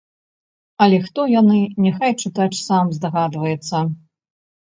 Але хто яны, няхай чытач сам здагадваецца.